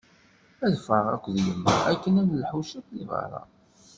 Ad ffɣeɣ akked yemma akken ad nelḥu ciṭ deg berra.